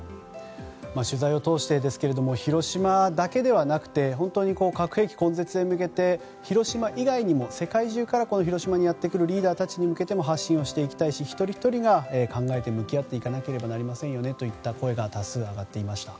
取材を通してですけども広島だけではなくて本当に核兵器根絶へ向けて広島以外にも世界中から広島にやってくるリーダーたちに向けても発信をしていきたいし一人ひとりが考えて向き合っていかなねばなりませんよねという声が多数上がっていました。